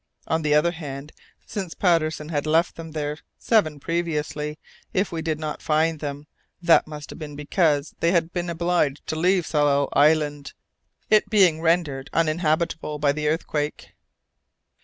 On the other hand, since Patterson had left them there seven months previously, if we did not find them, that must have been because they had been obliged to leave Tsalal, the place being rendered uninhabitable by the earthquake.